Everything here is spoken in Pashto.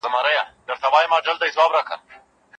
کله چې وږي شو، خواړه وخورئ.